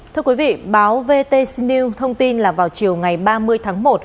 thưa quý vị báo vt news thông tin là vào chiều ngày ba mươi tháng một